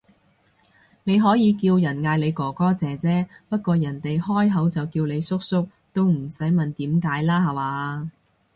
你可以叫人嗌你哥哥姐姐，不過人哋開口就叫你叔叔，都唔使問點解啦下話